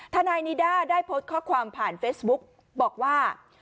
ทนายนิด้าได้โพสต์ข้อความผ่านเฟซบุ๊กบอกว่า